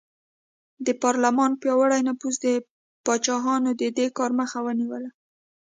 د پارلمان پیاوړي نفوذ د پاچاهانو د دې کار مخه ونیوله.